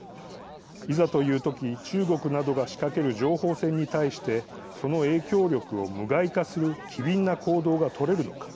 いざという時、中国などが仕掛ける情報戦に対してその影響力を無害化する機敏な行動が取れるのか。